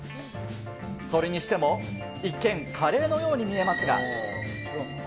それにしても、一見カレーのように見えますが。